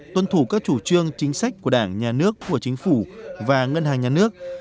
tuân thủ các chủ trương chính sách của đảng nhà nước của chính phủ và ngân hàng nhà nước